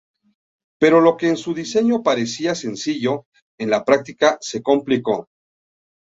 Pero lo que en su diseño parecía sencillo, en la práctica se complicó.